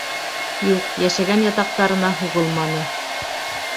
Юҡ, йәшәгән ятаҡтарына һуғылманы.